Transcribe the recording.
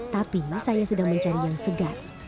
tapi saya sedang mencari yang segar